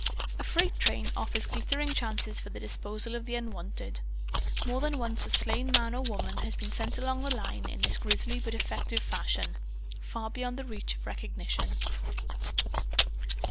A freight train offers glittering chances for the disposal of the Unwanted. More than once a slain man or woman has been sent along the line, in this grisly but effective fashion, far beyond the reach of recognition.